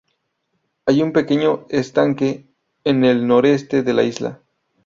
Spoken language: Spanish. Hay un pequeño estanque en el noreste de la isla.